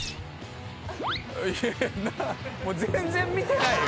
いやいやもう全然見てないよ。